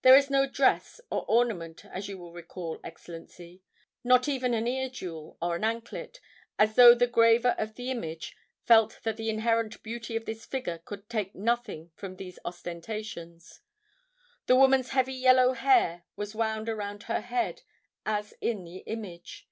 "There is no dress or ornament, as you will recall, Excellency. Not even an ear jewel or an anklet, as though the graver of the image felt that the inherent beauty of his figure could take nothing from these ostentations. The woman's heavy yellow hair was wound around her head, as in the image.